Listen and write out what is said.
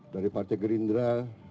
dari partai gerindara